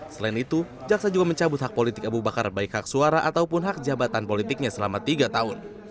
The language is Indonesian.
selain itu jaksa juga mencabut hak politik abu bakar baik hak suara ataupun hak jabatan politiknya selama tiga tahun